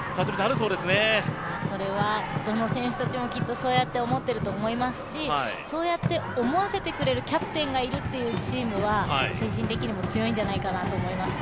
それはどの選手たちもきっとそうやって思ってると思いますしそうやって思わせてくれるキャプテンがいるチームは精神的にも強いんじゃないかなと思いますね。